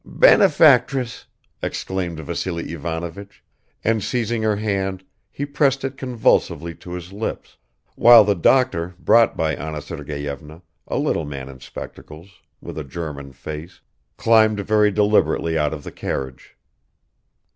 "Benefactress!" exclaimed Vassily Ivanovich, and seizing her hand, he pressed it convulsively to his lips, while the doctor brought by Anna Sergeyevna, a little man in spectacles, with a German face, climbed very deliberately out of the carriage.